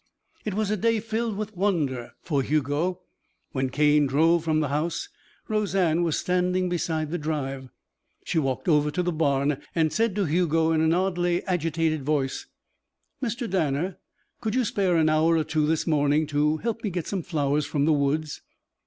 It was a day filled with wonder for Hugo. When Cane drove from the house, Roseanne was standing beside the drive. She walked over to the barn and said to Hugo in an oddly agitated voice: "Mr. Danner, could you spare an hour or two this morning to help me get some flowers from the woods?"